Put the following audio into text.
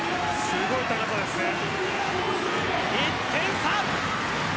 １点差。